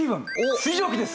水蒸気です。